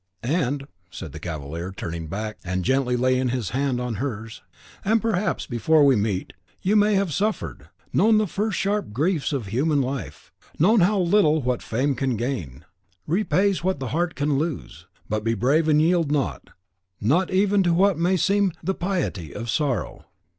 "And," said the cavalier, turning back, and gently laying his hand on hers, "and, perhaps, before we meet, you may have suffered: known the first sharp griefs of human life, known how little what fame can gain, repays what the heart can lose; but be brave and yield not, not even to what may seem the piety of sorrow.